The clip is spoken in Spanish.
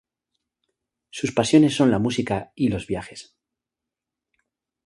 Sus pasiones son la música y los viajes.